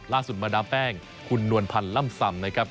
มาดามแป้งคุณนวลพันธ์ล่ำซำนะครับ